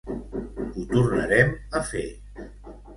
Ho tornarem a fer !